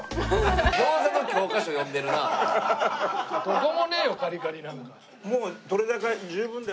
どこもねえよカリカリなんか。